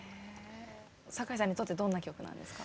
さかいさんにとってどんな曲なんですか？